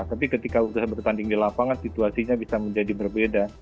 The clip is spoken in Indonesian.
tapi ketika sukses bertanding di lapangan situasinya bisa menjadi berbeda